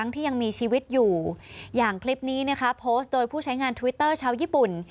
ที่ยังมีชีวิตอยู่อย่างคลิปนี้นะคะโพสต์โดยผู้ใช้งานทวิตเตอร์ชาวญี่ปุ่น